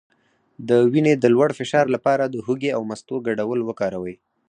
د وینې د لوړ فشار لپاره د هوږې او مستو ګډول وکاروئ